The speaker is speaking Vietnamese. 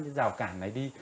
những rào cản này đi